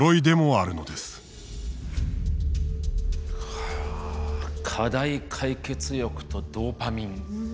はあ課題解決欲とドーパミン。